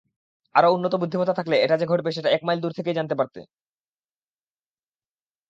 আরও উন্নত বুদ্ধিমত্তা থাকলে এটা যে ঘটবে সেটা এক মাইল দূর থেকেই জানতে পারতে।